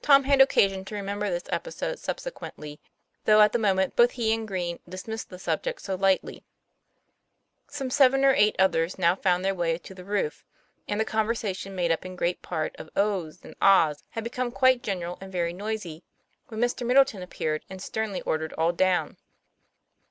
Tom had occasion to remember this episode sub sequently, though at the moment both he and Green dismissed the subject so lightly. Some seven or eight others now found their way to the roof, and the conversation, made up in great TOM PLAYFAIR. 97 part of "ohs" and " ahs, " had become quite general and very noisy, when Mr. Middleton appeared and sternly ordered all down.